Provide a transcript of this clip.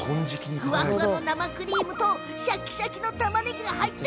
ふわふわの生クリームとシャキシャキのたまねぎ。